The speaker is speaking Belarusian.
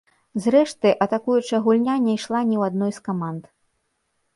Зрэшты, атакуючая гульня не ішла ні ў адной з каманд.